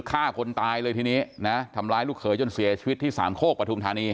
ฆ่าคนตายเลยทีนี้นะทำร้ายลูกเขยจนเสียชีวิตที่สามโคกปฐุมธานี